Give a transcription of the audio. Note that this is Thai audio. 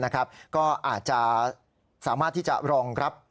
ก็อาจจะสามารถที่จะรองรับ